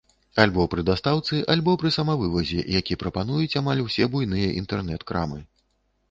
Альбо пры дастаўцы, альбо пры самавывазе, які прапануюць амаль усе буйныя інтэрнэт-крамы.